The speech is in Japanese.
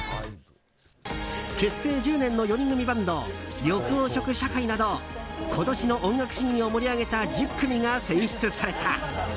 結成１０年の４人組バンド緑黄色社会など今年の音楽シーンを盛り上げた１０組が選出された。